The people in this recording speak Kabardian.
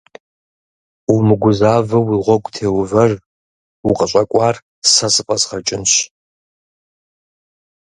Умыгузэвэу уи гъуэгу теувэж, укъыщӏэкӏуар сэ зэфӏэзгъэкӏынщ.